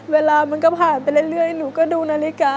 เวลามันก็ผ่านไปเรื่อยหนูก็ดูนาฬิกา